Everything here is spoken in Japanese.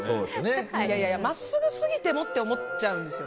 真っすぐすぎてもって思っちゃうんですよ。